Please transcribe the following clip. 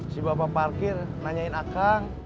si bapak parkir nanyain akang